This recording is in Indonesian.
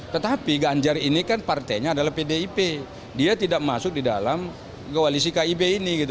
tetapi ganjar ini kan partainya adalah pdip dia tidak masuk di dalam koalisi kib ini gitu